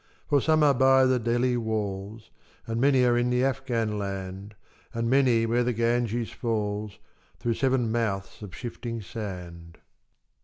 For some are by the Delhi walls, And many in the Afghan land, And many where the Ganges falls Through seven mouths of shifting sand.